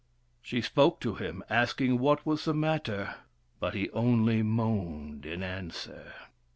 She spoke to him, asking what was the matter, but he only moaned in answer.